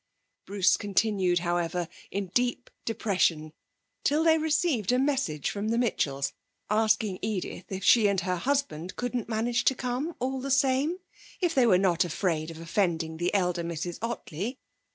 Bruce continued, however, in deep depression till they received a message from the Mitchells, asking Edith if she and her husband couldn't manage to come, all the same, if they were not afraid of offending the elder Mrs Ottley.